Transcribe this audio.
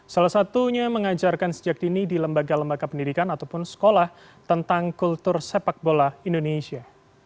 salah satunya mengajarkan sejak dini di lembaga lembaga pendidikan ataupun sekolah tentang kultur sepak bola indonesia